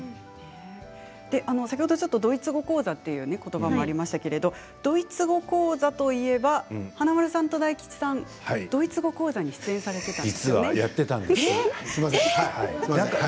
先ほどちょっと「ドイツ語講座」ということばもありましたけれども「ドイツ語講座」といえば華丸さんと大吉さん「ドイツ語講座」に出演されていたと。